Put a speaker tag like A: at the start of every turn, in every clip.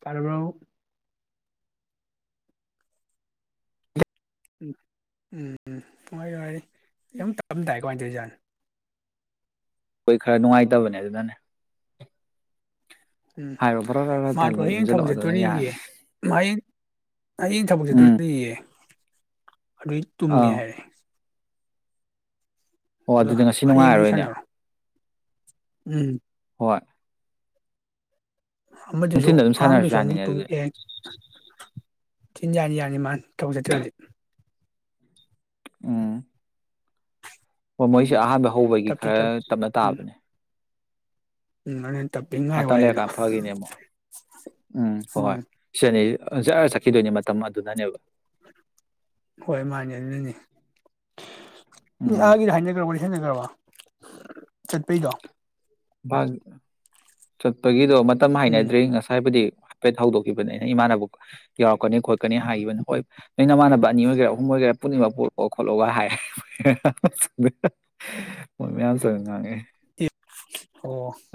A: ꯇꯔꯕ ꯎꯝ ꯎꯝ ꯎꯝ ꯍꯣꯏ ꯍ ꯌꯝ ꯇꯝꯗꯥꯥꯏ ꯀꯃꯥꯏꯅ ꯇꯧꯔꯤ ꯖꯥꯥꯟ
B: ꯍꯣꯏ ꯈꯔ ꯅꯨꯡꯉꯥꯏꯇꯕꯅꯦ ꯑꯗꯨꯅꯅꯦ
A: ꯎꯝ
B: ꯍꯥꯏꯔꯣ ꯕꯔ ꯕꯔ
A: ꯃꯥꯗꯣ ꯍꯌꯦꯡ ꯊꯕꯛ
B: ꯊꯟꯖꯜꯂꯛꯑꯣ ꯑꯗꯨꯅ
A: ꯆꯠꯇꯣꯔꯤꯌꯦ
B: ꯌꯥꯔꯅꯤ
A: ꯍꯌꯦꯡ ꯑꯩ ꯊꯕꯛꯁꯦ
B: ꯎꯝ
A: ꯇꯨꯌꯦ ꯑꯗꯨꯏ ꯇꯨꯝꯃꯤ
B: ꯑꯥ
A: ꯍꯥꯏꯔꯦ
B: ꯑꯣ
A: ꯑꯗꯣ
B: ꯑꯗꯨꯗꯤ ꯉꯁꯤ
A: ꯍꯌꯦꯡ ꯑꯣꯏꯅ
B: ꯅꯨꯡꯉꯥꯏꯔꯔꯣꯏꯅꯦ
A: ꯁꯥꯟꯅꯔꯣ ꯎꯝ
B: ꯍꯣꯏ
A: ꯑꯃꯗꯨꯁꯨ
B: ꯅꯨꯡꯊꯤꯟꯗ ꯑꯗꯨꯝ ꯁꯥꯟꯅꯔꯁꯨ
A: ꯑꯉꯥꯡꯗꯨꯁꯨ ꯑꯃꯨꯛ
B: ꯌꯥꯅꯤꯅꯦ ꯑꯗꯨꯗꯤ
A: ꯇꯨꯝꯑꯦ ꯆꯤꯟ ꯌꯥꯅꯤ ꯌꯥꯅꯤ ꯃꯥ ꯇꯧ ꯆꯠꯇ꯭ꯔꯗꯤ
B: ꯑ ꯑꯣ ꯃꯣꯏꯁꯤ ꯑꯍ ꯍꯧꯕꯒꯤ
A: ꯇꯞꯇꯤ ꯇꯞ
B: ꯈꯔ ꯇꯞꯅ
A: ꯎꯝ
B: ꯇꯥꯕꯅꯦ
A: ꯎꯝ ꯇꯞꯄꯤ ꯉꯥꯏꯌꯣ
B: ꯃꯇꯪ
A: ꯍꯥꯏꯗꯣ
B: ꯂꯩꯔꯀꯥꯟ ꯐꯈꯤꯅꯦ ꯑꯃꯨꯛ ꯎꯝ ꯍꯣꯏ ꯍꯣꯏ ꯁꯤꯅꯤ ꯆꯠ ꯆꯠꯈꯤꯗꯣꯏꯅꯦ ꯃꯇꯝ ꯑꯗꯨꯅꯅꯦꯕ
A: ꯍꯣꯏ ꯃꯥꯅꯦ ꯑꯗꯨꯅꯅꯦ
B: ꯎꯝ
A: ꯑꯥꯒꯤꯗꯤ ꯍꯥꯏꯅꯈ꯭ꯔ ꯍꯦꯟꯅꯈ꯭ꯔꯕ ꯆꯠꯄꯩꯗꯣ
B: ꯃꯥ ꯆꯠꯄꯒꯤ ꯑꯗꯣ ꯃꯇꯝ
A: ꯎꯝ
B: ꯍꯥꯏꯅꯗ꯭ꯔꯤ ꯉꯁꯥꯏꯕꯨꯗꯤ ꯍꯥꯏꯐꯦꯠ ꯍꯧꯗꯣꯛꯈꯤꯕꯅꯦ ꯑꯩꯅ ꯏꯃꯥꯟꯕꯨ ꯌꯥꯎꯔꯛꯀꯅꯤ ꯈꯣꯠꯀꯅꯤ ꯍꯥꯏꯈꯤꯕꯅꯤ ꯍꯣꯏ ꯑꯩꯅꯃꯥꯟꯅꯕ ꯑꯅꯤ ꯑꯣꯏꯒꯦꯔ ꯑꯍꯨꯝ ꯑꯣꯏꯒꯦꯔ ꯄꯨꯨꯝꯅꯤꯃꯛ ꯑꯣꯠꯂꯣ ꯈꯣꯠꯂꯣꯒ ꯍꯥꯏ
A: ꯎ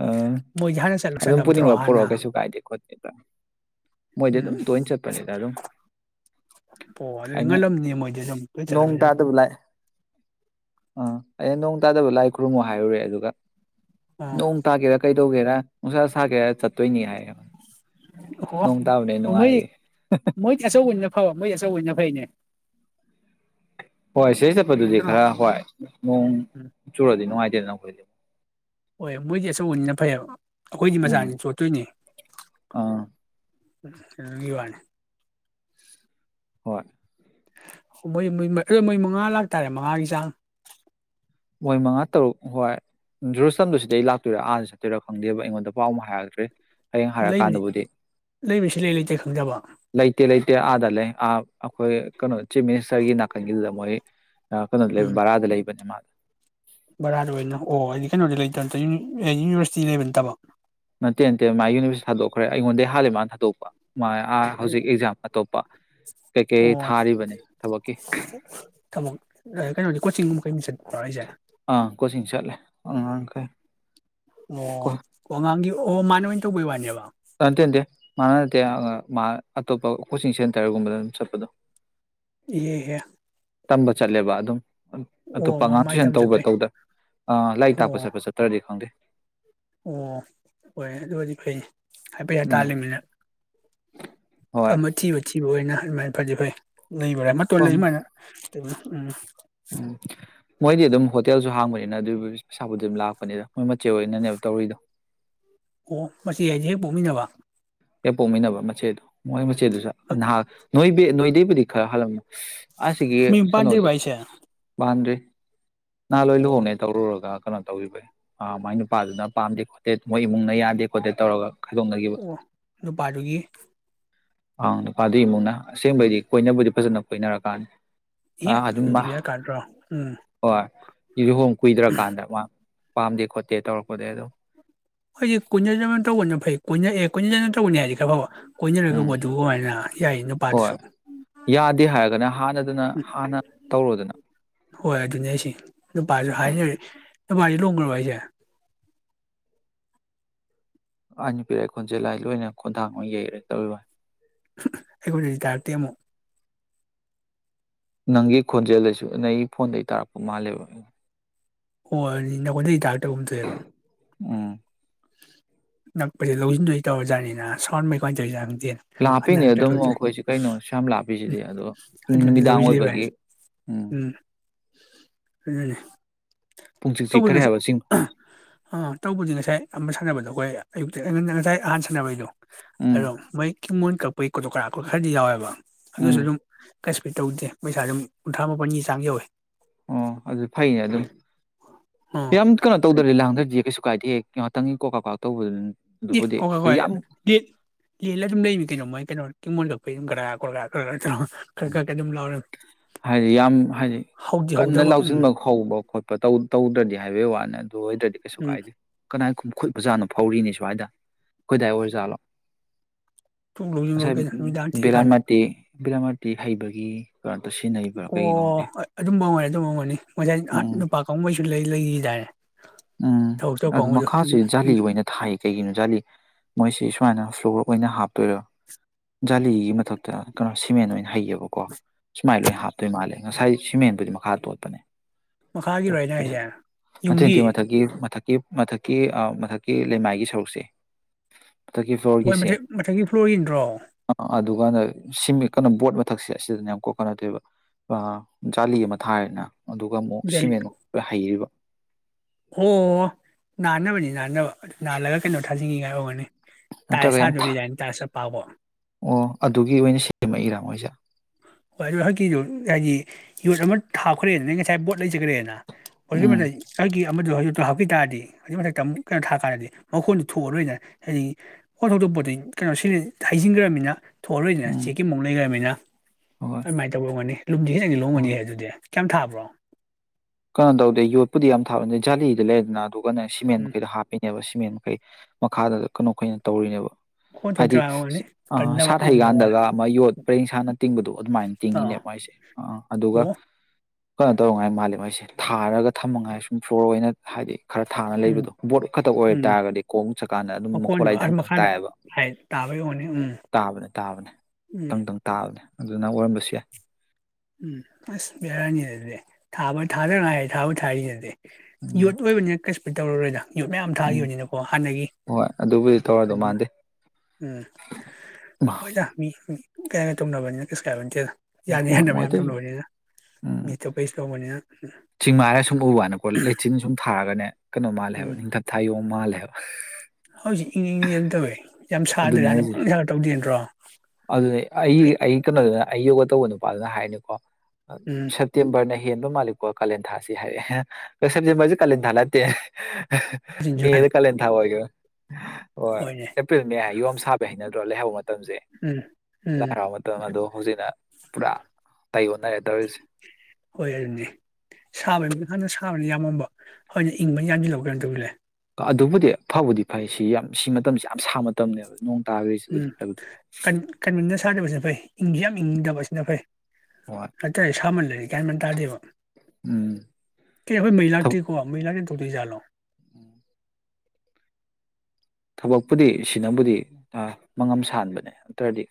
B: ꯑꯥ
A: ꯍꯥꯟꯅ
B: ꯑꯗꯨꯝ
A: ꯆꯠꯂꯝꯗ꯭ꯔꯣ
B: ꯄꯨꯅꯤꯡꯕ
A: ꯍꯥꯟꯅ
B: ꯄꯔꯛꯑꯣ ꯀꯩꯁꯨ ꯀꯥꯏꯗꯦ ꯈꯣꯠꯇꯦ [inaudible] ꯃꯣꯏꯗꯤ
A: ꯎꯝ
B: ꯑꯗꯨꯝ ꯇꯣꯏꯅ ꯆꯠꯄꯅꯦꯗ ꯑꯗꯨꯝ
A: ꯑꯣ ꯑꯗꯨꯗꯤ
B: ꯑꯩꯅ
A: ꯉꯜꯂꯝꯅꯤ ꯃꯣꯏꯗꯤ ꯑꯗꯨꯝ ꯂꯣꯏ
B: ꯅꯣꯡ
A: ꯆꯠꯂꯝꯅꯤꯅ
B: ꯇꯥꯗꯕ ꯂꯥꯛꯑꯦ ꯑꯥ ꯑꯩ ꯅꯣꯡ ꯇꯥꯗꯕ ꯂꯥꯏ ꯈꯨꯔꯨꯝꯃꯣ ꯍꯥꯏꯔꯨꯔꯦ ꯑꯗꯨꯒ
A: ꯑꯣ
B: ꯅꯣꯡ ꯇꯥꯒꯦꯔ ꯀꯩ ꯒꯦꯔ ꯎꯥꯁꯥ ꯁꯥꯒꯦꯔꯥ ꯆꯠꯇꯣꯏꯅꯤ ꯍꯥꯏꯌꯦ
A: ꯑꯣ
B: ꯅꯣꯡ ꯇꯥꯕꯅꯦ
A: ꯑꯣ ꯃꯣꯏ
B: ꯅꯨꯡꯉꯥꯏꯌꯦ
A: ꯃꯣꯏ ꯑꯆꯧ ꯐ ꯃꯩ ꯑꯆꯧꯕ ꯑꯣꯏꯅ ꯐꯩꯅꯦ
B: ꯍꯣꯏ ꯁꯤꯗꯩꯩ ꯆꯠꯄꯗꯨꯗꯤ
A: ꯅꯠꯇ꯭ꯔꯣ
B: ꯈꯔ ꯍꯣꯏ ꯅꯣꯡ
A: ꯎꯝ
B: ꯆꯨꯔꯗꯤ ꯅꯨꯡꯉꯥꯏꯇꯦ ꯣ
A: ꯍꯣꯏ ꯃꯣꯏꯗꯤ ꯑꯁꯨꯛ ꯎꯟꯅ ꯐꯩꯑꯕ ꯑꯩꯈꯣꯏꯗꯤ
B: ꯎꯝ
A: ꯃꯆꯥꯅꯤ ꯆꯣꯠꯇꯣꯏꯅꯦ
B: ꯑꯥ
A: [unintelligible] ꯋꯥꯅꯦ
B: ꯍꯣꯏ
A: ꯃꯣꯏ ꯃꯣꯏ ꯃꯉꯥ ꯂꯥꯛꯇꯥꯔꯦ ꯃꯉꯥꯒꯤ ꯆꯥꯡ
B: ꯃꯣꯏ ꯃꯉꯥ ꯇꯔꯨꯛ ꯍꯣꯏ ꯖꯨꯔꯁꯝꯗꯨꯁꯤꯗ ꯑꯩ ꯂꯥꯛꯇꯣꯏꯔꯥ ꯑꯥꯗ ꯆꯠꯇꯣꯏꯔꯥ ꯈꯪꯗꯦꯕ ꯑꯩꯉꯣꯟꯗ ꯄꯥꯎ ꯑꯃ ꯍꯥꯏꯔꯛꯇ꯭ꯔꯦ
A: ꯂꯩꯕꯅꯤ ꯂꯩꯕꯁꯤ ꯂꯩ ꯂꯩꯇꯦ ꯈꯪꯗꯕ
B: ꯂꯩꯇꯦ ꯂꯩꯇꯦ ꯑꯥꯗ ꯂꯩ ꯑꯥ ꯑꯩꯈꯣꯏ ꯀꯩꯅꯣ ꯆꯤꯞ ꯃꯤꯅꯤꯁꯇꯔꯒꯤ ꯅꯥꯀꯟꯒꯤꯗꯨꯗ ꯃꯣꯏ ꯅ ꯀꯩꯅꯣꯗ ꯂꯩꯕ
A: ꯎꯝ
B: ꯕꯔꯥꯗ ꯂꯩꯕꯅꯦ ꯃꯥꯗ
A: ꯕꯔꯥꯗ ꯑꯣꯏꯅ ꯑꯣ ꯑꯩꯗꯤ ꯀꯩꯅꯣꯗꯤ ꯂꯩꯇꯕ ꯅꯠꯇ ꯌꯨꯅꯤꯚꯔꯁꯤꯇꯤ ꯂꯩꯕ ꯅꯠꯇꯕ
B: ꯅꯠꯇꯦ ꯅꯠꯇꯦ ꯃꯥ ꯌꯨꯅꯤꯚꯔꯁꯤ ꯊꯗꯣꯛꯈ꯭ꯔꯦ ꯑꯩꯉꯣꯟꯗ ꯍꯥꯜꯂꯦ ꯃꯥꯟ ꯊꯗꯣꯛꯄ ꯥ ꯍꯧꯖꯤꯛ ꯑꯦꯛꯖꯥꯝ ꯑꯇꯣꯞꯄ ꯀꯩꯀꯩ
A: ꯑꯣ
B: ꯊꯥꯔꯤꯕꯅꯤ ꯊꯕꯛꯀꯤ
A: ꯊꯕꯛ ꯀꯩꯅꯣꯗꯤ ꯀꯣꯆꯤꯡꯒꯨꯝꯕ ꯀꯩꯒꯨꯝꯕ ꯆꯠꯄ꯭ꯔꯣ ꯍꯥꯏꯁꯦ
B: ꯑꯥ ꯀꯣꯆꯤꯡ ꯆꯠꯂꯦ ꯑꯉꯥꯡꯈꯩ
A: ꯑꯣ ꯑꯉꯥꯡꯒꯤ ꯑꯣ ꯃꯥꯅ ꯑꯣꯏꯅ ꯇꯧꯕꯩ ꯋꯥꯅꯦꯕ
B: ꯠꯇꯦꯇꯦ ꯃꯥꯅ ꯅꯠꯇꯦ ꯃꯥ ꯑꯇꯣꯞꯄ ꯀꯣꯆꯤꯡ ꯁꯦꯟꯇꯔꯒꯨꯝꯕꯗ ꯑꯗꯨꯝ ꯆꯠꯄꯗꯣ
A: ꯏꯍꯍ
B: ꯇꯝꯕ ꯆꯠꯂꯦꯕ ꯑꯗꯨꯝ ꯑꯇꯣꯞꯄ
A: ꯑꯣ
B: ꯑꯉꯥꯡ
A: ꯃꯥꯏ
B: ꯁꯨꯏꯁꯟ
A: ꯇꯝ
B: ꯇꯧꯕ
A: ꯆꯠꯄꯩ
B: ꯇꯧꯗ ꯑ ꯂꯥꯏꯔꯤꯛ ꯇꯥꯛꯄ
A: ꯑꯣ
B: ꯆꯠꯄ ꯆꯠꯇ꯭ꯔꯗꯤ ꯈꯪꯗꯦ
A: ꯑꯣ ꯍꯣꯏ ꯑꯗꯨ ꯑꯣꯏꯗꯤ ꯐꯩ ꯍꯥꯏꯐ
B: ꯎꯝ
A: ꯇꯥꯂ
B: ꯍꯣꯏ
A: ꯃꯊꯤꯕ ꯃ ꯊꯤꯕ ꯑꯣꯏꯅꯃ ꯐꯗꯤ ꯐꯩ ꯂꯩꯕ꯭ꯔꯥ ꯃꯇꯣ
B: ꯍꯣꯏ
A: ꯂꯩ ꯁꯃꯥꯏꯅ ꯇ ꯎꯝ
B: ꯎꯝ ꯑꯗꯨ ꯄꯩꯁꯥꯕꯨꯗꯤ ꯑꯗꯨꯝ ꯂꯥꯛꯄꯅꯤꯗ ꯃꯣꯏ ꯃꯆꯦ ꯑꯣꯏꯅꯅꯦꯕ ꯇꯧꯔꯤꯗꯣ
A: ꯑꯣ ꯃꯁꯤ ꯑꯩꯁꯦ ꯍꯦꯛ ꯄꯣꯛꯃꯤꯟꯅꯕ
B: ꯀ ꯄꯣꯛꯃꯤꯟꯅꯕ ꯃꯆꯦꯗ ꯃꯣꯏ ꯃꯆꯦꯠꯗꯨꯁꯨ ꯅꯍꯥꯛ ꯅꯣꯏ ꯅꯣꯏ ꯗꯤꯕꯨꯔꯤꯈꯔ ꯍꯜꯂꯝ ꯑꯁꯤꯒꯤ
A: ꯃꯌꯨꯝ
B: ꯀꯩꯅꯣꯗꯣ
A: ꯄꯥꯟꯗ꯭ꯔꯤꯕ ꯍꯥꯏꯁꯦ
B: ꯃꯥꯟꯗ꯭ꯔꯤ ꯅꯍꯥꯟ ꯂꯣꯏ
A: ꯑꯣ
B: ꯂꯨꯍꯣꯡꯅꯦꯩ ꯇꯧꯔꯨꯔꯒ ꯀꯩꯅꯣ ꯇꯧꯕꯩ ꯑ ꯃꯥꯏ ꯅꯨꯄꯥꯗꯨꯅ ꯄꯥꯝꯗꯦ ꯈꯣꯇꯦꯠ ꯃꯣꯏ ꯏꯃꯨꯡꯅ ꯌꯥꯗꯦ ꯈꯣꯇꯦꯠ ꯇꯧꯔꯒ ꯈꯥꯏꯗꯣꯛꯅꯈꯤꯕ
A: ꯑꯣ ꯅꯨꯄꯥꯗꯨꯒꯤ
B: ꯑ ꯅꯨꯄꯥꯗꯨꯒꯤ ꯏꯃꯨꯡꯛꯅ ꯑꯁꯦꯡꯕꯩꯗꯤ ꯀꯣꯏꯕꯨꯗꯤ ꯐꯖꯅ ꯀꯣꯏꯅꯔꯀꯥꯟꯅꯤ
A: ꯏ ꯑꯗꯨꯗꯤꯕꯤꯔ ꯀꯥꯗ꯭ꯔꯣ ꯎꯝ
B: [inaudible] ꯂꯨꯍꯣꯡ ꯀꯨꯏꯗ꯭ꯔꯀꯥꯟꯗ ꯃꯥ ꯄꯥꯝꯗꯦ ꯈꯣꯠꯇꯦ ꯇꯧꯔꯛꯄꯗꯤ ꯑꯗꯣ
A: ꯑꯩꯗꯤ ꯀꯨꯟ ꯇꯧꯕꯅ ꯐꯩ ꯀꯨ ꯑꯦ ꯀꯨꯟꯖꯠ ꯇꯧꯕꯅꯤ ꯍꯥꯏꯗꯤ ꯈꯔ ꯐꯕ
B: ꯎꯝ
A: ꯀꯣꯏꯅꯔꯒꯕꯨ ꯑꯗꯨ ꯑꯣꯏꯅ ꯌꯥꯏ
B: ꯍꯣꯏ
A: ꯅꯨꯄꯥꯗꯨꯁꯨ
B: ꯌꯥꯗꯦ ꯍꯥꯏꯔꯒꯅ ꯍꯥꯟꯅꯗꯅ ꯍꯥꯟꯅ ꯇꯧꯔꯣꯗꯅ
A: ꯍꯣꯏ ꯑꯗꯨꯅꯦ ꯑꯩꯁꯤ ꯅꯨꯄꯥꯁꯨ ꯍꯥꯏꯅꯔꯤ ꯅꯨꯄꯥꯗꯤ ꯂꯣꯡꯈ꯭ꯔꯕ ꯍꯥꯏꯁꯦ
B: ꯑ ꯅꯨ ꯄꯤꯔꯛ ꯈꯣꯟꯖꯦꯜ ꯂꯥꯏ ꯂꯣꯏꯅ ꯈꯣꯟꯊꯥꯡ ꯑꯃ ꯌꯩꯔꯦ ꯇꯧꯚ
A: ꯑꯩꯣ ꯇꯥꯔꯇꯌꯥ ꯑꯃꯣ
B: ꯅꯪꯒꯤ ꯈꯣꯟꯖꯦꯜꯗꯁꯨ ꯅꯪꯒꯤ ꯐꯣꯟꯗꯒꯤ ꯇꯥꯔꯛꯄ ꯃꯥꯜꯂꯦꯕ
A: ꯑꯣ ꯏꯅꯣꯏ ꯏ ꯇꯧꯒꯨꯝꯖꯩꯌꯦꯕ
B: ꯎꯝ
A: ꯅꯛꯄꯁꯦ ꯂꯧꯁꯤꯟꯗꯣꯏꯩ ꯇꯧꯔ ꯖꯠꯅꯤꯅ ꯁꯥꯎꯟ ꯃꯩ ꯀ ꯇꯧ
B: ꯂꯥꯞꯄꯤꯅꯦ ꯑꯗꯨꯝ ꯑꯩꯈꯣꯏꯁꯦ ꯀꯩꯅꯣ ꯁ ꯌꯥꯝ ꯂꯥꯞꯄꯤꯁꯤꯗꯤ ꯑꯗꯣ
A: ꯑꯗꯨꯗꯤ
B: ꯅꯨꯃꯤꯗꯥꯡ ꯑꯣꯏꯕꯒꯤ ꯎꯝ
A: ꯀꯅꯦ
B: ꯄꯨꯡꯆꯤꯛ
A: ꯇꯧꯕ
B: ꯆꯤꯛꯈ꯭ꯔꯦ
A: ꯉꯁꯥꯏ
B: ꯍꯥꯏꯕ ꯆꯤꯡ
A: ꯑ ꯇꯧꯕꯗꯤ ꯉꯁꯥꯏ ꯑꯃ ꯁꯥꯟꯅꯕꯗꯣ ꯑꯩꯈꯣꯏ ꯑꯌꯨꯛꯇ ꯉꯟꯅ ꯉꯁꯥꯏ ꯑꯍꯥꯟ ꯁꯥꯟꯅꯕꯩꯗꯣ
B: ꯎꯝ
A: ꯑꯗꯣ ꯃꯣꯢ [inaudible] ꯀꯛꯄꯩ [unintelligible] ꯈꯗꯤ ꯌꯥꯎꯋꯦꯕ ꯑꯗꯨꯁꯨ
B: ꯎꯝ
A: ꯑꯗꯨꯝ ꯀꯩꯁꯨꯗꯤ ꯇꯧꯗꯦ ꯄꯩꯁꯥ ꯑꯗꯨꯝ ꯀꯨꯟꯊ꯭ꯔꯥ ꯃꯥꯄꯜꯒꯤ ꯆꯥꯡ ꯌꯧꯋꯦ
B: ꯑꯣ ꯑꯗꯨ ꯐꯩꯅꯦ ꯑꯗꯨꯝ
A: ꯑꯣ
B: ꯌꯥꯝ ꯀꯩꯅꯣ ꯇꯧꯗꯔꯗꯤ [unintelligible] ꯀꯩꯁꯨ ꯀꯥꯏꯗꯦ ꯉꯥꯏꯇꯪꯒꯤ ꯀꯣ ꯀꯥꯥꯛ ꯇꯧꯕꯗꯨꯅꯤ
A: ꯑꯦ [unintelligible] ꯑꯗꯨꯝ ꯂꯩꯅꯤ ꯀꯩꯅꯣ ꯃꯣꯏ ꯀꯩꯅꯣ [unintelligible] ꯈꯔ
B: ꯎꯝ
A: ꯈꯔ ꯑꯗꯨꯝ ꯂꯥꯎꯔꯝꯃꯤ
B: ꯍꯥꯏꯗꯤ ꯌꯥꯝ ꯍꯥꯏꯗꯤ
A: ꯍꯧꯗꯤ
B: ꯀꯟꯅ
A: ꯍꯧꯗꯕ ꯎꯝ
B: ꯂꯥꯎꯁꯤꯟꯕ ꯍꯧꯕ ꯈꯣꯠꯄ ꯇꯧ ꯇꯧꯗ꯭ꯔꯗꯤ ꯍꯥꯏꯕꯩ ꯋꯥꯅꯦꯗꯤ ꯑꯗꯨ ꯑꯣꯏꯗ꯭ꯔꯗꯤ ꯀꯩꯁꯨ
A: ꯎꯝ
B: ꯀꯥꯏꯗꯦ ꯀꯅꯥꯏ ꯈꯨꯠ ꯃꯣꯖꯥꯅꯣ ꯐꯧꯔꯤꯅꯤ ꯁ꯭ꯋꯥꯏꯗ ꯀꯣꯏꯗꯥꯏ ꯑꯣꯏꯔꯖꯥꯠꯂꯣ
A: ꯊꯣꯛ ꯂꯧꯁꯤꯟꯈꯣ
B: ꯑꯁꯦ
A: ꯀꯩꯅꯣ ꯅꯨꯃꯤꯗꯥꯡ ꯊꯦꯡꯀꯥꯟꯗ
B: ꯕꯤꯂꯥꯃꯇꯤ [unintelligible] ꯤ ꯍꯩꯕꯒꯤ ꯁꯤꯖꯤꯟꯅꯔꯤꯕ꯭ꯔꯥ
A: ꯑꯣ
B: ꯀꯩꯒꯤꯅꯣꯗꯤ
A: ꯑꯗꯨꯝ [unintelligible] ꯉꯁꯥꯏ
B: ꯎꯝ
A: ꯅꯨꯄꯥ ꯀꯥꯡꯕꯩꯁꯨ ꯂꯩ ꯂꯩꯈꯤꯗꯥꯏꯅꯦ
B: ꯎꯝ
A: ꯊꯕꯛ ꯇꯧ
B: ꯑꯗꯨ
A: ꯀꯥꯡꯕꯨꯗꯣ
B: ꯃꯈꯥꯁꯤ
A: ꯎꯝ
B: ꯖꯥꯂꯤ ꯑꯣꯏꯅ ꯊꯥꯏ ꯀꯩꯒꯤꯅꯣ ꯖꯥꯂꯤ ꯃꯣꯏꯁꯤ ꯁꯨꯃꯥꯏꯅ ꯇꯧꯔꯒ ꯑꯣꯏꯅ ꯍꯥꯞꯇꯣꯏꯔꯣ ꯖꯥꯂꯤꯒꯤ ꯃꯊꯛꯇ ꯀꯩꯅꯣ ꯁꯤꯃꯦꯟ ꯑꯣꯏꯅ ꯍꯩꯌꯦꯕ ꯁꯨꯃꯥꯏꯅ ꯂꯣꯏꯅ ꯍꯥꯞꯇꯣꯏ ꯃꯥꯜꯂꯦ ꯉꯁꯥꯏ ꯁꯤꯃꯦꯟꯗꯨꯗꯤ ꯃꯈꯥ ꯇꯣꯠꯄꯅꯦ
A: ꯃꯈꯥꯒꯤꯔꯣꯅ [unintelligible]
B: ꯅꯠꯇꯦ ꯅꯠꯇꯦ
A: ꯌꯨꯝꯒꯤ
B: ꯃꯊꯛꯀꯤ ꯃꯊꯛꯀꯤ ꯃꯊꯛꯀꯤ ꯃꯊꯛꯀꯤ ꯂꯩꯃꯥꯏꯒꯤ ꯁꯔꯨꯛꯁꯦ ꯃꯊꯛꯀꯤ
A: ꯃꯣꯏ
B: ꯐ꯭ꯂꯣꯔꯒꯤꯁꯦ
A: ꯃꯊ ꯃꯊꯛꯒꯤ ꯐ꯭ꯂꯣꯔꯒꯤꯗ꯭ꯔꯣ
B: ꯁꯤ ꯀꯩꯅꯣ ꯕꯣꯠ ꯃꯊꯛꯁꯦ ꯑꯁꯤꯗꯅ ꯌꯥꯝ ꯀꯔꯤꯅꯣ ꯇꯧꯔꯤꯕ ꯖꯥꯂꯤ ꯑꯃ ꯊꯥꯏꯔꯦꯗꯅ ꯑꯗꯨꯒ ꯑꯃꯨꯛ
A: ꯖꯂꯤ
B: ꯁꯤꯃꯦꯟ ꯍꯩꯔꯤꯕ
A: ꯑꯣ ꯅꯥꯟꯅꯕꯅꯤ ꯅꯥꯟꯅꯕ ꯅꯥꯜꯂꯒ ꯀꯩꯅꯣ ꯊꯥꯖꯤꯟꯒꯥꯏ ꯑꯣꯏꯒꯅꯤ
B: ꯅꯠꯇ꯭ꯔꯒ
A: ꯇꯥꯏꯜꯁ
B: ꯌꯥꯝ ꯊꯥ
A: ꯊꯥꯗꯨꯔꯤꯅꯤ ꯄꯥꯕ
B: ꯑꯣ ꯑꯗꯨꯒꯤ ꯑꯣꯏꯅ ꯁꯦꯝꯃꯛꯏꯔꯥ ꯃꯣꯏꯁꯦ
A: ꯍꯣꯏ ꯑꯗꯨ ꯍꯖꯤꯛꯀꯤꯗꯨꯣ ꯍꯥꯏꯗꯤ ꯌꯣꯠ ꯑꯃ ꯊꯥꯈ꯭ꯔꯦꯅ ꯅ ꯉꯁꯥꯏ ꯕꯣꯠ ꯂꯩꯖꯈ꯭ꯔꯦꯅ
B: ꯎꯝ
A: [unintelligible] ꯑꯃꯗꯣ ꯍꯧꯖꯤꯛꯇꯣ ꯍꯥꯞꯄꯤ ꯇꯥꯔꯗꯤ ꯑꯗꯨꯒꯤ ꯃꯊꯛꯇ ꯑꯃꯨꯛ ꯀꯩꯅꯣ ꯊꯥꯀꯥꯟꯗꯗꯤ ꯃꯈꯣꯟꯗꯨꯣ ꯊꯣꯛꯑꯔꯣꯏꯅ ꯍꯥꯏꯗꯤ ꯍꯣꯟ ꯊꯣꯛꯇꯕ ꯄꯣꯠꯇꯨ ꯀꯩꯅꯣ ꯁꯤ ꯍꯩꯖꯤꯟꯈ꯭ꯔꯕꯅꯤꯅ ꯊꯣꯛ ꯑꯔꯣꯏꯗꯅ
B: ꯎꯝ
A: ꯆꯦꯛꯀꯤ ꯃꯑꯣꯡ ꯂꯩꯒꯔ꯭ꯕꯅꯤꯅ
B: ꯍꯣꯏ
A: ꯑꯗꯨꯃꯥꯏ ꯇꯧꯕꯑꯣꯏꯅꯤ ꯂꯨꯝꯗꯤ ꯍꯡ
B: ꯑꯣ
A: ꯂꯣꯡꯒꯅꯤ ꯍꯦ ꯑꯗꯨꯗꯤ ꯀꯌꯥꯝ ꯊꯥꯕ꯭ꯔꯣ
B: ꯀꯩꯅꯣ ꯇꯧꯗꯦ ꯌꯣꯠꯄꯨꯗꯤ ꯌꯥꯝ ꯊꯥꯕꯅꯤ ꯖꯥꯂꯤꯗ ꯂꯩꯗꯅ ꯑꯗꯨꯒꯅꯦ ꯁꯤꯃꯦꯟ
A: ꯎꯝ
B: ꯃꯈꯩꯗꯣ ꯍꯥꯞꯄꯤꯅꯦꯕ ꯁꯤ ꯃꯦꯟ ꯃꯈꯩ ꯃꯈꯥꯗ ꯀꯩꯅꯣ ꯀꯩꯅ ꯇꯧꯔꯤꯅꯦꯕ
A: ꯃꯈꯣꯟ ꯊꯣꯛ
B: ꯍꯥꯏꯗꯤ
A: ꯇꯔꯥ ꯑꯣꯏꯔꯅꯤ
B: ꯑ
A: ꯀꯟꯗꯕ
B: ꯁꯥꯠ
A: ꯉꯝꯗꯧ ꯃꯥꯜꯂꯦ
B: ꯍꯩꯀꯥꯟꯗꯒ ꯃꯥ ꯌꯣꯠ ꯄꯔꯦꯡ ꯁꯥꯅ ꯇꯤꯡꯕꯗꯣ ꯑꯗꯨꯃꯥꯏꯅ ꯇꯤꯡꯉꯤꯅꯦ
A: ꯑꯥ
B: ꯃꯥꯏꯁꯦ ꯑ ꯑꯗꯨꯒ
A: ꯑꯣ
B: ꯀꯣ ꯇꯧ ꯉꯥꯏ ꯃꯥꯜꯂꯤ ꯃꯥꯏꯁꯤ ꯊꯥꯔꯒ ꯊꯝꯃꯉꯥꯏ ꯁꯨꯝ ꯐ꯭ꯂꯣꯔ ꯑꯣꯏꯅ ꯍꯥꯏꯗꯤ ꯈꯔ ꯊꯥꯅ
A: ꯎꯝ
B: ꯂꯩꯕꯗꯣ ꯕꯣꯠ ꯈꯛꯇ ꯑꯣꯏ
A: ꯎꯝ
B: ꯇꯥꯔꯒꯗꯤ ꯈꯣꯡꯅ ꯆꯠꯀꯥꯟꯗ ꯑꯗꯨꯝ
A: ꯃꯈꯣꯟꯗꯣ
B: ꯃꯈꯣꯟꯂꯥꯏ
A: ꯑꯥ
B: ꯗꯪꯗꯪ
A: ꯃꯈꯥꯗ
B: ꯇꯥꯏꯌꯦꯕ
A: ꯍꯥꯏ ꯇꯥꯕꯩ ꯑꯣꯏꯔꯝꯅꯤ ꯎꯝ
B: ꯇꯥꯕꯅꯦ ꯇꯥꯕꯅꯦ
A: ꯎꯝ
B: ꯇꯪꯇꯪ ꯇꯥꯕꯅꯦ ꯑꯗꯨꯅ ꯑꯣꯏꯔꯝꯕꯁꯨ ꯌꯥꯏ
A: ꯎꯝ ꯑꯁ ꯕꯦꯔꯅꯤ ꯑꯗꯨꯗꯤ ꯊꯥꯕ ꯊꯥꯗ ꯉꯥꯏꯔꯤ ꯊꯥꯕꯨ ꯊꯥꯗ꯭ꯔꯤꯗꯨꯗꯤ
B: ꯎꯝ
A: ꯌꯣꯠ ꯑꯣꯏꯕꯅꯤ ꯀꯩ ꯍꯣꯏ ꯇꯧꯔꯔꯣꯏꯗ ꯌꯣꯠ ꯃꯌꯥꯝ
B: ꯎꯝ
A: ꯊꯥꯈꯤꯕꯅꯤꯅꯀꯣ ꯍꯥꯟꯅꯒꯤ
B: ꯍꯣꯏ ꯑꯗꯨꯕꯨꯗꯤ ꯇꯧꯔꯗꯧ
A: ꯀꯩꯅꯣ
B: ꯃꯥꯟꯗꯦ
A: ꯎꯝ ꯍꯣꯏꯗ ꯃꯤ ꯀꯩꯅꯦ ꯇꯨꯝꯅꯕꯅꯤꯅ ꯀꯩꯁꯨꯀꯥꯏꯕꯅꯠꯇꯦꯗꯥ ꯌꯥꯅꯤ
B: ꯍꯣꯏ
A: ꯍꯥꯏ
B: ꯃꯣꯏ ꯎꯝ
A: ꯇꯧꯕꯅꯤꯅ
B: ꯆꯤꯡꯃꯥꯔ ꯁꯨꯝ ꯎ ꯋꯥꯅꯤꯀꯣ ꯂꯩꯆꯤꯜ ꯁꯨꯝ ꯊꯥꯔꯒꯅꯦ ꯀꯩꯅꯣ ꯃꯥꯜꯂꯦ ꯍꯥꯏꯕ
A: ꯎꯝ
B: ꯅꯤꯡꯊꯝ ꯊꯥꯌꯣ ꯃꯥꯜꯂꯦ [inaudible]
A: ꯍꯧꯖꯤꯛ ꯏꯪ ꯏꯪꯅꯤ ꯑꯗꯨꯝ ꯇꯧꯋꯦ ꯌꯥꯝ ꯁꯥꯗ꯭ꯔꯦ ꯍꯥꯟꯅ ꯄꯪ ꯁꯥꯔ ꯇꯧꯗꯦ ꯅꯠꯇ꯭ꯔꯣ
B: ꯑꯗꯨ ꯑꯩ ꯀꯅ ꯑꯩ ꯌꯣꯒ ꯇꯧꯕ ꯅꯨꯄꯥꯗꯨꯅ ꯍꯥꯏꯅꯤꯀꯣ ꯁꯦꯇꯌꯦꯝꯕꯔꯅꯦ ꯍꯦꯟꯕ ꯃꯥꯜꯂꯤꯛꯀꯣ ꯀꯥꯂꯦꯟꯊꯥꯁꯤ ꯍꯥꯏꯔꯦ ꯁꯁꯦ ꯀꯥꯂꯦꯟꯊꯥ ꯅꯠꯇꯦ
A: ꯎꯝ
B: ꯃꯦꯗꯥ ꯀꯂꯦꯟ ꯊ ꯑꯣꯏꯒꯔ꯭ꯦ ꯍꯣꯏ
A: ꯍꯣꯏꯅꯦ
B: ꯑꯦꯄ꯭ꯔꯤꯜ ꯃꯌꯣꯝ ꯁꯥꯕ ꯍꯥꯏꯩꯅ ꯂꯩ ꯍꯥꯏꯧꯕ ꯃꯇꯝꯁꯦ
A: ꯎꯝ ꯎꯝ
B: ꯂꯥꯏꯔꯥꯎꯕ ꯃꯇꯝ ꯑꯗꯣ ꯍꯧꯖꯤꯛꯅ ꯄꯨꯔꯥ ꯇꯩ ꯑꯣꯅꯔꯦ ꯇꯧꯔꯤꯁꯦ
A: ꯍꯣꯏ ꯑꯗꯨꯅꯤ ꯍꯣꯏꯅ ꯏꯪꯕ ꯌꯥꯝꯁꯤꯜ ꯂꯧ ꯀꯩꯅꯣ ꯇꯧꯖꯤꯜꯂꯦ
B: ꯑꯗꯨꯕꯨꯗꯤ ꯐꯕꯨꯗꯤ ꯐꯩ ꯁꯤ ꯌꯥꯝ ꯁꯤ ꯃꯇꯝꯁꯤ ꯌꯥꯝ ꯁꯥ ꯃꯇꯝꯅꯦꯕ ꯅꯣꯡ
A: ꯎꯝ
B: ꯇꯥꯈ꯭ꯔꯤꯁꯤꯕꯨꯗꯤ ꯐꯕꯨꯗꯤ ꯐꯩ
A: ꯀꯟꯃꯤꯟꯅ ꯁꯥꯗꯕꯁꯦ ꯐꯩ ꯏꯪꯁꯨ ꯌꯥꯝ ꯏꯪꯗꯕ ꯁꯤꯅ ꯐꯩ
B: ꯍꯣꯏ
A: ꯅꯠꯇꯔꯗꯤ ꯁꯥꯥꯃꯟꯂꯗꯤ ꯒ꯭ꯌꯥꯟ ꯃꯦꯟ ꯇꯥꯗꯦꯕ꯫
B: ꯎꯝ
A: ꯀꯩ ꯑꯩꯈꯣꯢ ꯃꯩꯩ ꯂꯥꯛꯇꯦꯀꯣ ꯃꯩ ꯂꯥꯛꯇꯔꯕꯤ ꯇꯧꯗꯣꯢ ꯖꯥꯠꯂꯣ
B: ꯎꯝ ꯊꯕꯛꯄꯨꯗꯤ ꯁꯤꯅꯕꯨꯗꯤ ꯃꯉꯝ ꯁꯥꯥꯟꯕꯅꯦ ꯅꯠꯇ꯭ꯔꯗꯤ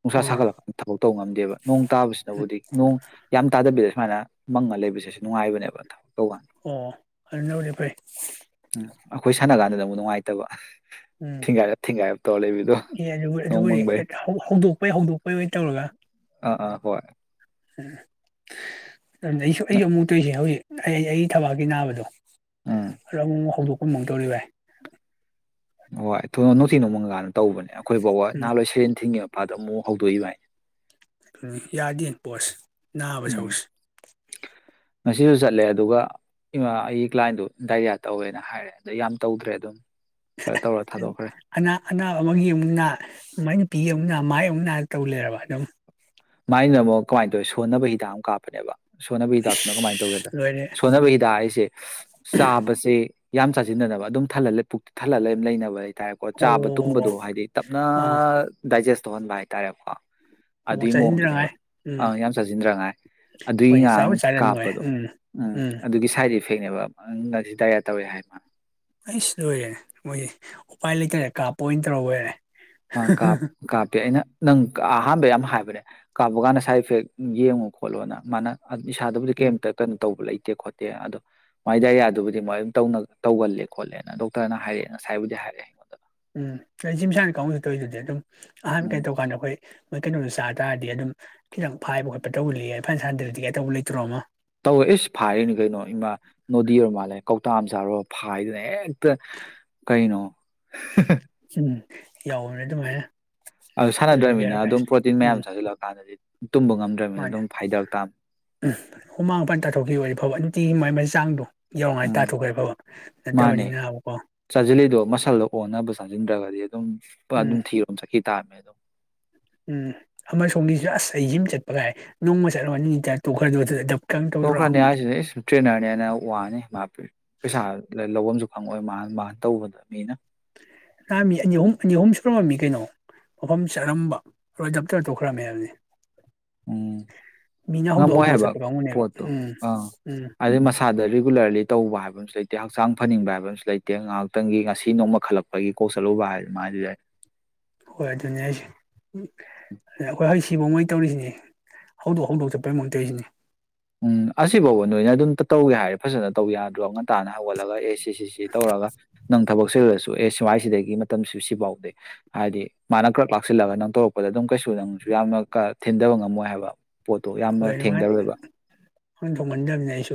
B: ꯅꯨꯡꯁꯥ
A: ꯑꯣ
B: ꯁꯥꯒꯠꯂ ꯀꯥꯟ ꯊꯕꯛ ꯇꯧꯕ ꯉꯝꯗꯦꯕ ꯅꯣꯡ ꯇꯥꯕꯁꯤꯅꯕꯨꯗꯤ ꯅꯣꯡ ꯌꯥꯝ ꯇꯥꯗꯕꯤꯗ ꯁꯨꯃꯥꯏꯅ ꯃꯪꯉ ꯂꯩꯕꯁꯦ ꯁꯤ ꯅꯨꯡꯉꯥꯏꯕꯅꯦꯕ ꯊꯕꯛ ꯇꯧꯀꯥꯟꯗ
A: ꯑꯣ ꯑꯗꯨꯅꯕꯨꯗꯤ ꯐꯩ
B: ꯎꯝ ꯑꯩꯈꯣꯏ ꯁꯥꯟꯅ ꯀꯥꯟꯗꯅ ꯑꯃꯨꯛ ꯅꯨꯡꯉꯥꯢ ꯇꯕ
A: ꯎꯝ ꯑꯦ ꯑꯗꯨꯕꯨ
B: ꯅꯣꯡ
A: ꯑꯗꯨꯕꯨꯗꯤ
B: ꯃꯪꯕꯩ
A: ꯍꯦꯛꯇ ꯍꯧ ꯍꯧꯗꯣꯛ ꯄꯩ ꯍꯧꯗꯣꯛꯄꯩ ꯑꯣꯏ ꯇꯧꯔꯒ
B: ꯑꯥ ꯑꯥ ꯍꯣꯏ
A: ꯎꯝ ꯎꯝ ꯑꯩꯁꯨ ꯑꯩ ꯑꯃꯨꯛ ꯑꯃꯨꯛ ꯇꯧꯔꯤꯁꯦ ꯍꯧꯖꯤꯛ ꯑꯩ ꯑꯩꯒꯤ ꯊꯕꯥꯛꯀꯤ ꯅꯥꯕꯗꯣ
B: ꯎꯝ
A: ꯑꯗꯨ ꯑꯃꯨꯛ ꯑꯃꯨꯛ ꯍꯧꯗꯣꯛ ꯀꯔꯝ ꯀꯔꯝ ꯇꯧꯔꯤ ꯚꯥꯢ
B: ꯍꯣꯏ ꯊꯣꯏ ꯅꯣꯡꯊꯤ ꯅꯣꯡꯃꯪꯕ ꯀꯥꯟꯗ ꯇꯧꯕꯅꯦ ꯑꯩꯈꯣꯏ ꯐꯥꯎꯕ
A: ꯎꯝ
B: ꯅꯍꯥꯟ ꯂꯣꯏ ꯁꯌꯦꯡ ꯊꯤꯡꯉꯤꯝ ꯑꯥꯗ ꯑꯃꯨꯛ ꯍꯧꯗꯣꯛꯏꯕꯥꯏ
A: ꯌꯥꯗꯦꯅꯦ ꯄꯣꯠꯁꯦ ꯅꯥꯕꯩ ꯁꯔꯨꯛꯁꯦ
B: ꯁꯤꯁꯨ ꯆꯠꯂꯦ ꯑꯗꯨꯒ ꯑꯩ ꯉꯔꯥꯡ ꯑꯩꯒꯤ ꯀ꯭ꯂꯥꯏꯟꯗꯨ ꯗꯥꯏꯔꯤꯌꯥ ꯇꯧꯋꯦꯅ ꯍꯥꯏꯔꯦ ꯑꯗꯩ ꯌꯥꯝ ꯇꯧꯗ꯭ꯔꯦ ꯑꯗꯨꯝ ꯈꯔ ꯇꯧꯔ ꯊꯥꯗꯣꯛꯈ꯭ꯔꯦ
A: ꯑꯅꯥ ꯑꯅꯥꯕ ꯑꯃꯒꯤ ꯑꯃꯨꯛ ꯅꯥ ꯃꯥꯏ ꯅꯨꯄꯤꯒꯤ ꯑꯃꯨꯛ ꯅꯥ ꯃꯥꯏ ꯑꯃꯨꯛ ꯅꯥ ꯇꯧ ꯂꯩꯔꯕ ꯑꯗꯨꯝ
B: ꯃꯥꯏꯅ ꯑꯃꯨꯛ ꯀꯃꯥꯏꯅ ꯇꯧꯋꯤ ꯁꯣꯟꯅꯕꯒꯤ ꯍꯤꯗꯥꯛ ꯑꯃ ꯀꯥꯞꯄꯅꯦꯕ ꯁꯣꯟꯅꯕ ꯍꯤꯗꯥꯛꯇꯨꯅ ꯀꯃꯥꯏꯅ ꯇꯧꯒꯦꯗ
A: ꯏꯁ ꯂꯣꯏꯔꯦ
B: ꯁꯣꯟꯅꯕ ꯍꯤꯗꯥꯛ ꯍꯥꯏꯁꯦ ꯆꯥꯕꯁꯦ ꯌꯥꯝ ꯆꯥꯖꯤꯟꯗꯅꯕ ꯑꯗꯨꯝ ꯊꯜꯍꯜꯂꯦ ꯄꯨꯛꯇꯨ ꯊꯜꯍꯜꯂꯦ ꯑꯗꯨꯝ ꯂꯩꯅꯕꯒꯤ ꯍꯥꯏꯇꯥꯔꯦꯀꯣ ꯆꯥꯕ
A: ꯑꯣ
B: ꯇꯨꯝꯕꯗꯣ ꯍꯥꯏꯗꯤ ꯇꯞꯅ
A: ꯑꯥ
B: ꯗꯥꯏꯖꯦꯁ ꯇꯧꯍꯟꯕ ꯍꯥꯏꯇꯥꯔꯦꯀꯣ
A: ꯑꯣ
B: ꯑꯗꯨꯢ ꯃꯑꯣꯡ
A: ꯆꯥꯁꯤꯟꯗ꯭ꯔꯉꯥꯏ
B: ꯑꯗꯨꯅꯦꯕ
A: ꯎꯝ
B: ꯑꯥ ꯌꯥꯝ ꯆꯥꯁꯤꯟꯗꯅꯉꯥꯏ ꯑꯗꯨꯒꯤ
A: ꯍꯣꯏꯅꯦ
B: ꯉꯔꯥꯡ
A: ꯆꯥꯕꯨ ꯆꯥꯔꯟ ꯅꯣꯏ
B: ꯀꯥꯞꯄꯗꯣ
A: ꯎꯝ
B: ꯎꯝ ꯑꯗꯨꯒꯤ ꯁꯥꯏꯗ ꯢꯐꯦꯛ ꯐꯦꯡꯛꯅꯦꯕ ꯃꯥꯅ ꯉꯁꯤ ꯗꯥꯢꯔꯤꯌꯥ ꯇꯧꯔꯦ ꯍꯥꯏ ꯃꯥꯅ
A: ꯑꯩꯁ ꯂꯣꯏꯔꯦꯅꯦ ꯃꯣꯏꯗꯤ ꯎꯄꯥꯏ ꯂꯩꯇꯔꯦ ꯀꯥꯞꯄ ꯑꯣꯏꯅ ꯇꯧꯔ ꯕꯣꯢꯔꯦ
B: ꯑ ꯀꯥꯞ ꯀꯥꯞꯄꯦ ꯑꯩꯅ ꯅꯪ ꯑꯍꯥꯟꯕ ꯌꯥꯝ ꯍꯥꯏꯕꯅꯦ ꯀꯥꯕ ꯀꯥꯟꯗ ꯁꯥꯏꯠ ꯏꯐꯦꯛ ꯌꯦꯡꯉꯨ ꯈꯣꯠꯂꯣꯅ ꯃꯥꯅ ꯑꯗꯨ ꯏꯁꯥꯗꯕꯨꯗꯤ
A: ꯎꯝ
B: ꯀꯩꯝꯇ ꯀꯩꯅꯣ ꯇꯧꯕ ꯂꯩ ꯈꯣꯠꯇꯦ ꯑꯗꯣ ꯃꯥꯏ ꯗꯥꯏꯔꯤꯌꯥꯗꯨꯕꯨꯗꯤ ꯃꯣꯏ ꯑꯗꯨꯝ ꯇꯧꯅ ꯇꯧꯒꯜꯂꯦ ꯈꯣꯠꯂꯦꯅ ꯗꯣꯛꯇꯔꯅ ꯍꯥꯏꯔꯛꯑꯦ ꯉꯁꯥꯏꯕꯨꯗꯤ ꯍꯥꯏꯔꯛꯑꯦ ꯑꯩꯉꯣꯟꯗ
A: ꯎꯝ [unintelligible] [unintelligible] ꯇꯧꯔꯤꯗꯨꯗꯤ ꯑꯗꯨꯝ
B: ꯎꯝ
A: [unintelligible] [unintelligible] ꯃꯣꯏ ꯀꯩꯅꯣꯗꯣ ꯆꯥ ꯇꯥꯔꯗꯤ ꯑꯗꯨꯝ ꯈꯤꯇꯪ ꯐꯥꯏꯕ ꯈꯣꯠꯄ ꯇꯧꯒꯜꯂꯤ [unintelligible] ꯁꯥꯟꯅꯗ꯭ꯔꯗꯤ ꯀꯩꯇꯧꯕ ꯂꯩꯇ꯭ꯔꯣ ꯑꯃ
B: ꯇꯧꯋꯦ ꯏꯁ ꯐꯥꯏꯔꯤꯅꯤ [unintelligible] ꯆꯥꯔꯣ ꯐꯥꯏꯗꯅ ꯍꯦꯛ ꯀꯩꯅꯣ
A: ꯎꯝ ꯌꯥꯎꯕꯅꯦ ꯑꯗꯨꯃꯥꯏꯅ
B: ꯑꯗꯨ
A: ꯑꯗꯨꯅꯤ
B: ꯁꯥꯟꯅꯗ꯭ꯔꯕꯃꯤꯅ
A: ꯕꯦꯔꯥ
B: ꯑꯗꯨꯝ ꯄ꯭ꯔꯣꯇꯤꯟ ꯃꯌꯥꯝꯗꯨ ꯆꯥꯁꯤꯜꯂꯛꯑꯀꯥꯟꯗꯗꯤ ꯇꯨꯝꯕ ꯉꯝꯗ꯭ꯔꯕꯅꯤꯅ
A: ꯃꯥꯅꯤ
B: ꯑꯗꯨꯝ ꯐꯥꯏꯗꯔꯛ ꯇꯥꯝ
A: ꯍꯨꯃꯥꯡ [unintelligible] ꯇꯥꯊꯣꯛꯈꯤꯕ ꯑꯣꯏ ꯅꯨꯡꯇꯤꯒꯤ ꯃꯥꯏ ꯃꯥꯏ ꯃꯩ ꯆꯥꯡꯗꯣ ꯌꯧꯔꯉꯥꯏ
B: ꯎꯝ
A: ꯇꯥꯊꯣꯛꯈ꯭ꯔꯦꯗꯤ ꯐꯕ
B: ꯃꯥꯅꯦ
A: ꯅꯠꯇꯕꯅꯤꯅꯕꯀꯣ
B: ꯆꯥꯖꯤꯟꯗꯔ꯭ꯒꯗꯤ
A: ꯎꯝ
B: ꯑꯗꯨꯝ ꯊꯤꯔꯣꯝ ꯆꯠꯈꯤ ꯇꯥꯕꯅꯤ ꯑꯗꯨꯝ [unintelligible]
A: ꯎꯝ ꯑꯃ ꯁꯣꯝꯒꯤꯁꯨ ꯑꯁ ꯑꯩ ꯖꯤꯝ ꯆꯠꯄꯒꯥꯏ ꯅꯣꯡꯃ ꯆꯠꯂꯣ [unintelligible] [unintelligible]
B: ꯇꯣꯛꯈ꯭ꯔꯅꯤ [unintelligible] [unintelligible] ꯇ꯭ꯔꯦꯅꯔꯅ ꯍꯦꯟꯅ ꯋꯥꯅꯤ ꯃꯥ ꯄꯩꯁꯥ ꯂꯧꯕꯝꯁꯨ ꯐꯪꯉꯣꯏ ꯃꯥ ꯃꯥꯅ ꯇꯧꯕꯗ ꯃꯤꯅ
A: ꯅꯍꯥꯟ ꯃꯤ ꯑꯅꯤ ꯑꯍꯨꯝ ꯑꯅꯤ ꯑꯍꯨꯝ ꯁꯨꯔꯝꯃꯝꯃꯤ ꯀꯩꯅꯣ ꯃꯐꯝ ꯆꯥꯔꯝꯕ ꯗꯞꯇꯧꯔ ꯇꯣꯛꯈ꯭ꯔꯝꯃꯦ ꯍꯥꯏꯕꯅꯤ
B: ꯎꯝ
A: ꯃꯤꯅ ꯍꯧꯗꯣꯛ
B: ꯉꯝꯃꯣꯏ
A: ꯍꯧꯗꯣꯛꯑ
B: ꯍꯥꯏꯕ
A: ꯆꯠꯄ ꯀꯥꯡꯕꯨꯅꯦꯕ
B: ꯄꯣꯠꯇꯣ
A: ꯎꯝ
B: ꯑꯥ
A: ꯎꯝ
B: ꯑꯗꯨꯗꯩ ꯃꯁꯥꯗ ꯔꯤꯒꯨꯂꯔꯂꯤ ꯇꯧꯕ ꯍꯥꯏꯕ ꯂꯩꯇꯦ ꯍꯛꯆꯥꯡ ꯐꯅꯤꯡꯕ ꯍꯥꯏꯕ ꯑꯃꯁꯨ ꯂꯩꯇꯦ ꯉꯥꯏꯍꯥꯛꯇꯪꯒꯤ ꯉꯁꯤ ꯅꯣꯡꯃ ꯈꯜꯂꯛꯄꯒꯤ ꯀꯣꯛ ꯆꯠꯂꯨꯕ ꯍꯥꯏ [unintelligible]
A: ꯍꯣꯏ ꯑꯗꯨꯅꯤ ꯍꯥꯏꯁꯦ ꯑꯩꯈꯣꯏ ꯍꯧ ꯁꯤꯕꯧꯃꯩ ꯇꯧꯔꯤꯁꯤꯅꯦ ꯍꯧꯗꯣꯛ ꯍꯧꯗꯣꯛ ꯆꯠꯄꯩ ꯃꯑꯣꯡ ꯇꯧꯔꯤꯁꯤꯅꯤ
B: ꯎꯝ ꯑꯁꯤꯐꯥꯎꯕ ꯅꯣꯏꯅ ꯑꯗꯨꯝ ꯇꯧꯒꯦ ꯍꯥꯏꯔꯦ ꯐꯖꯅ ꯇꯧ ꯌꯥꯗ꯭ꯔꯣ ꯉꯟꯇꯥꯅ ꯍꯧꯒꯠꯂꯒ ꯑꯦꯁꯦ ꯁꯤ ꯁꯤ ꯁꯤ ꯇꯧꯔꯒ ꯅꯪ ꯊꯕꯛ ꯆꯤꯜꯂꯥꯁꯨ ꯑꯦ ꯁꯨꯋꯥꯏꯁꯤꯗꯒꯤ ꯃꯇꯝꯁꯤ ꯁꯤꯐꯥꯎꯗꯤ ꯍꯥꯏꯗꯤ ꯃꯥꯅ ꯈ꯭ꯔꯛ ꯂꯥꯛꯁꯤꯜꯂꯒ ꯅꯪ ꯇꯧꯔꯛꯄꯗ ꯑꯗꯨꯝ ꯀꯩꯁꯨ ꯅꯪꯁꯨ ꯌꯥꯝꯅ ꯊꯤꯟꯊꯕ ꯉꯝꯃꯣꯏ ꯍꯥꯏꯕ ꯄꯣꯠꯇꯣ ꯌꯥꯝꯅ ꯊꯦꯡꯗꯔꯣꯏꯕ
A: ꯊꯣꯛꯃꯟꯗꯕꯅꯤꯅꯥ ꯑꯩꯁꯨ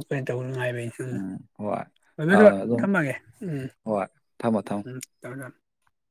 B: ꯎꯝ ꯍꯣꯏ ꯑ
A: [unintelligible] [unintelligible]
B: ꯑꯗꯨꯝ
A: ꯊꯝꯃꯒꯦ ꯎꯝ
B: ꯍꯣꯏ ꯊꯝꯃꯣ ꯊꯝꯃꯣ
A: [unintelligible]